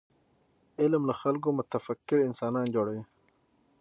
علم له خلکو متفکر انسانان جوړوي.